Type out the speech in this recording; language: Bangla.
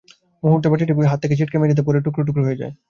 মুহূর্তে বাটিটি হাত থেকে ছিটকে মেঝেতে পড়ে টুকরো টুকরো হয়ে যায়।